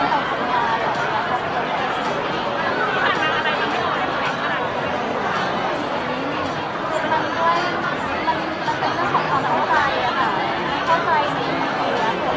อยากให้เวลากำลังใจเราตลอดมา